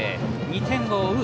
２点を追う